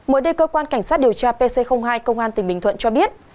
mới đây cơ quan cảnh sát điều tra pc hai công an tỉnh bình thuận cho biết